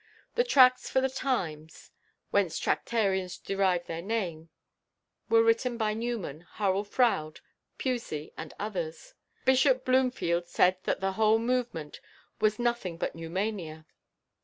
The "Tracts for the Times," whence Tractarians derived their name, were written by Newman, Hurrell Froude, Pusey, and others. Bishop Bloomfield said that the whole movement was nothing but Newmania.